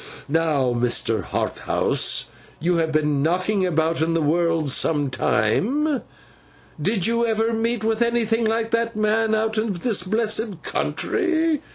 Now, Mr. Harthouse, you have been knocking about in the world some time. Did you ever meet with anything like that man out of this blessed country?